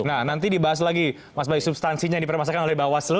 nah nanti dibahas lagi mas bayu substansinya yang dipermasakan oleh bawaslu